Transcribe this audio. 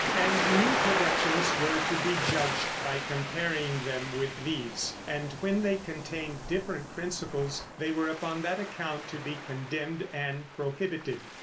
And new productions were to be judged by comparing them with these, and when they contained different principles, they were upon that account to be condemned and prohibited.